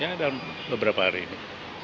ya dalam beberapa hari ini